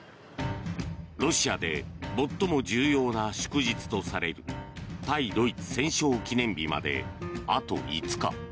ロシアで最も重要な祝日とされる対ドイツ戦勝記念日まであと５日。